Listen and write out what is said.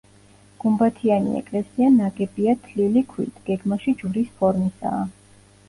გუმბათიანი ეკლესია ნაგებია თლილი ქვით, გეგმაში ჯვრის ფორმისაა.